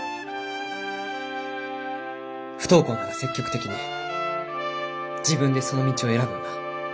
・不登校なら積極的に自分でその道を選ぶんだ。